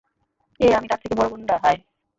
এই আমি তার থেকে বড় গুন্ডা, - হাই।